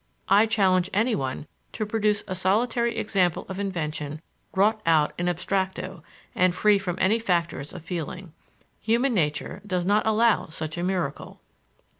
I challenge anyone to produce a solitary example of invention wrought out in abstracto, and free from any factors of feeling. Human nature does not allow such a miracle.